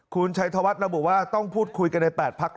คูณชัยทวัฒน์เราบอกว่าต้องพูดคุยกันในตร์ปัก